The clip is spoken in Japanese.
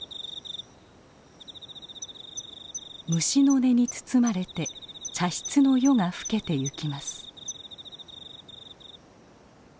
虫の音に包まれて茶室の夜が更けてゆきます。